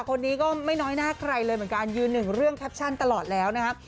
คนนี้ก็ไม่น้อยหน้าใครเลยเหมือนกันยืนหนึ่งเรื่องแคปชั่นตลอดแล้วนะครับ